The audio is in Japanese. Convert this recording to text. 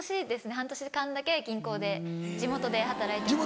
半年間だけ銀行で地元で働いてました。